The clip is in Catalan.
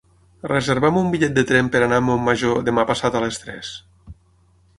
Reserva'm un bitllet de tren per anar a Montmajor demà passat a les tres.